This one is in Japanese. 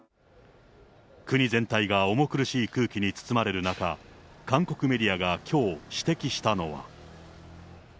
国全体が重苦しい空気に包まれる中、韓国メディアがきょう指摘したのは。